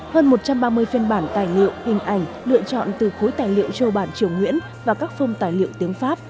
hơn một trăm ba mươi phiên bản tài liệu hình ảnh lựa chọn từ khối tài liệu châu bản triều nguyễn và các phông tài liệu tiếng pháp